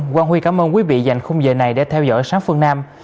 quang huy cảm ơn quý vị dành khung giờ này để theo dõi sáng phương nam